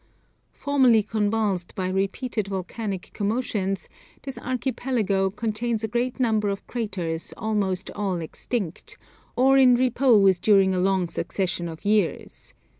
Formerly convulsed by repeated volcanic commotions, this Archipelago contains a great number of craters almost all extinct, or in repose during a long succession of years.